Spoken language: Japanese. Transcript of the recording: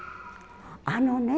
あのね